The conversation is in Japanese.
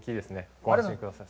ご安心ください。